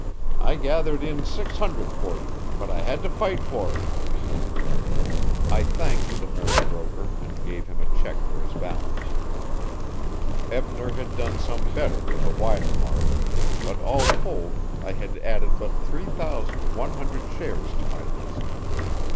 I gathered in six hundred for you, but I had to fight for it." I thanked the merry broker, and gave him a check for his balance. Eppner had done some better with a wider margin, but all told I had added but three thousand one hundred shares to my list.